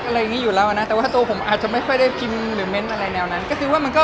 แหละสิ่งที่ตกแฟนฉันไม่ใช่แค่หนังแฟนฉันมันก็คือแฟนชาติ